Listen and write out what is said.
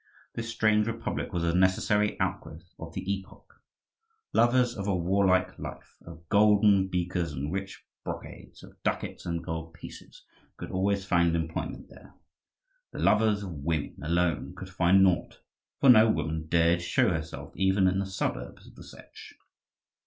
This strange republic was a necessary outgrowth of the epoch. Lovers of a warlike life, of golden beakers and rich brocades, of ducats and gold pieces, could always find employment there. The lovers of women alone could find naught, for no woman dared show herself even in the suburbs of the Setch.